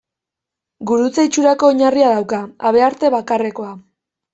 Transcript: Gurutze itxurako oinarria dauka, habearte bakarrekoa.